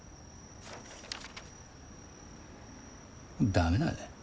駄目だね。